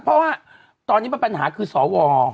เพราะว่าตอนนี้ปัญหาคือสว